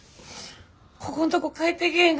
ここんとこ帰ってけぇ